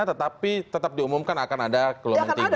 tetapi tetap diumumkan akan ada gelombang tiga